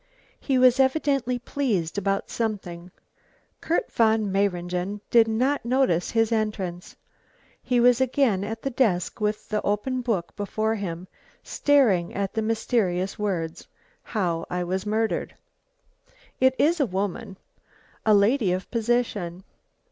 He was evidently pleased about something. Kurt von Mayringen did not notice his entrance. He was again at the desk with the open book before him, staring at the mysterious words, "How I was murdered." "It is a woman, a lady of position.